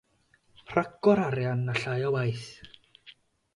Rhagor o arian, llai o waith.